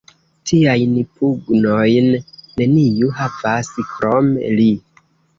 Tiajn pugnojn neniu havas, krom li!